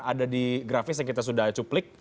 ada di grafis yang kita sudah cuplik